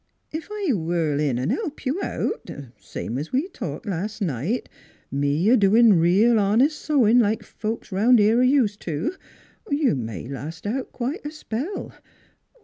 Ef I whirl in 'n' help you out same's we talked las' night me a doin' reel honest sewin' like folks 'round here 're used to, you may last out quite a spell.